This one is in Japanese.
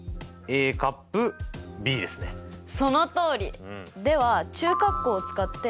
そのとおり！